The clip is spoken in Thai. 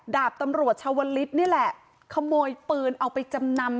ดาบตำรวจชาวลิศนี่แหละขโมยปืนเอาไปจำนำ